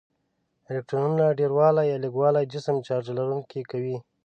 الکترونونو ډیروالی یا لږوالی جسم چارج لرونکی کوي.